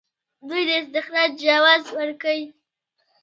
دوی د استخراج جواز ورکوي.